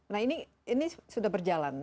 nah ini sudah berjalan